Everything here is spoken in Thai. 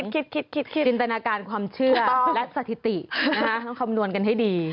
คิดคิดจินตนาการความเชื่อและสถิติต้องคำนวณกันให้ดี